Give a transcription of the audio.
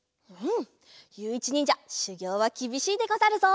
ゆういちにんじゃしゅぎょうはきびしいでござるぞ。